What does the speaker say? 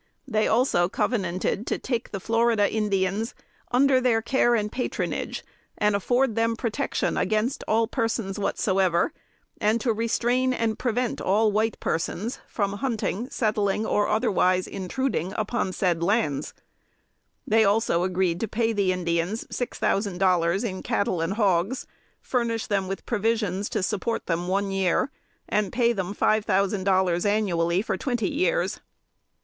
They also covenanted to "take the Florida Indians under their care and patronage, and AFFORD THEM PROTECTION AGAINST ALL PERSONS WHATSOEVER," and to "restrain and prevent all white persons from hunting, settling, or otherwise intruding, upon said lands." They also agreed to pay the Indians six thousand dollars in cattle and hogs, furnish them with provisions to support them one year, and pay them five thousand dollars annually for twenty years.